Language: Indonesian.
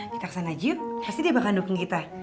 kita kesana jiu pasti dia bakal dukung kita